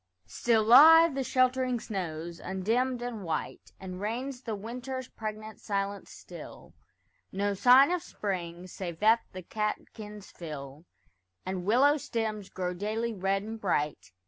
Still lie the sheltering snows, undimmed and white; And reigns the winter's pregnant silence still; No sign of spring, save that the catkins fill, And willow stems grow daily red and bright.